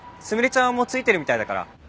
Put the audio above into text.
菫ちゃんはもう着いてるみたいだから。